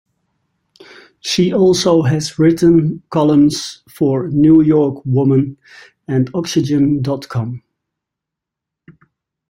She also has written columns for "New York Woman" and "oxygen dot com".